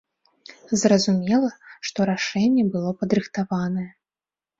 Зразумела, што рашэнне было падрыхтаванае.